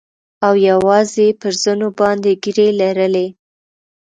او يوازې يې پر زنو باندې ږيرې لرلې.